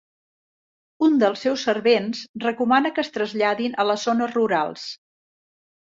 Un dels seus servents recomana que es traslladin a les zones rurals.